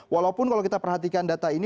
walaupun kalau kita perhatikan data ini